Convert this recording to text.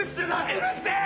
うるせぇ！